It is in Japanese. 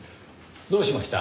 どうしました？